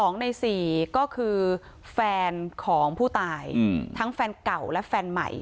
๒ใน๔ก็คือแฟนของผู้ตายทั้งแฟนเก่าและแฟนใหม่